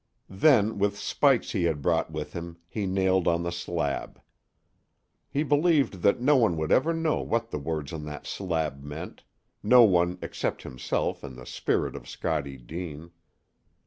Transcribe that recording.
Then, with spikes he had brought with him, he nailed on the slab. He believed that no one would ever know what the words on that slab meant no one except himself and the spirit of Scottie Deane.